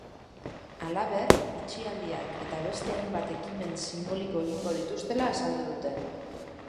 Halaber, itxialdiak eta beste hainbat ekimen sinboliko egingo dituztela azaldu dute.